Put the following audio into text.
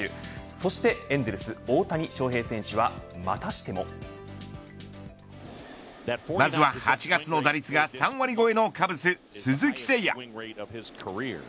そしてエンゼルス大谷翔平選手はまずは８月の打率が３割超えのカブス鈴木誠也。